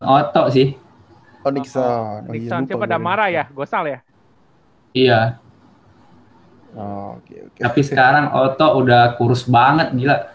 otto sih onyx on pada marah ya gue salah iya oke tapi sekarang otto udah kurus banget gila